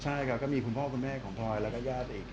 ใช่ครับก็มีคุณพ่อคุณแม่ของพลอยแล้วก็ญาติอีก